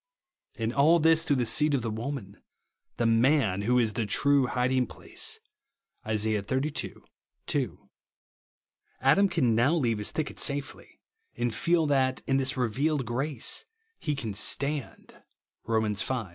And all this through the seed of the woman — "the man" who is the true "hiding place," (Isa. xxxii. 2). Adam can now leave his thicket safely ; and feel that, in this revealed gi ace, he can "stand" (Rom. v.